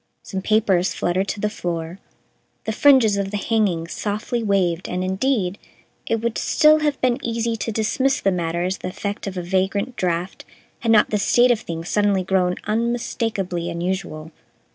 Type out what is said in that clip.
Some papers fluttered to the floor, the fringes of the hangings softly waved, and, indeed, it would still have been easy to dismiss the matter as the effect of a vagrant draft had not the state of things suddenly grown unmistakably unusual.